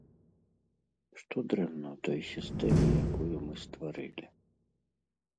Што дрэнна ў той сістэме, якую мы стварылі?